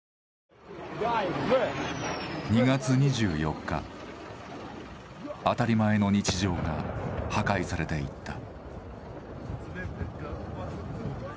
２月２４日、当たり前の日常が破壊されていった。